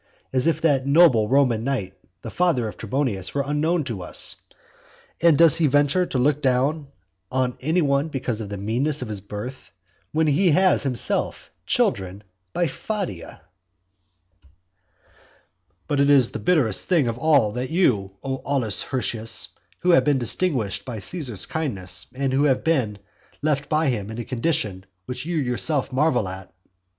As if that noble Roman knight the father of Trebonius were unknown to us. And does he venture to look down on any one because of the meanness of his birth, when he has himself children by Fadia? XL "But it is the bitterest thing of all that you, O Aulus Hirtius, who have been distinguished by Caesar's kindness, and who have been left by him in a condition which you yourself marvel at.